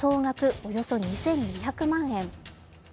およそ２２００万円。